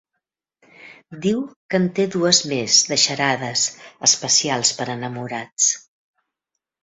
Diu que en té dues més, de xarades, especials per a enamorats.